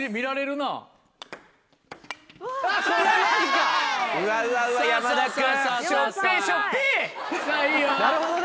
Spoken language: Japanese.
なるほどね。